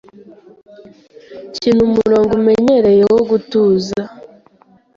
Kina umurongo umenyereye wo gutuza